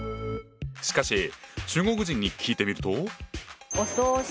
しかし中国人に聞いてみると。